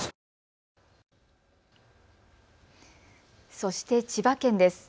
そして千葉県です。